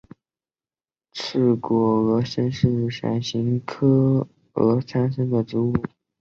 刺果峨参是伞形科峨参属的植物。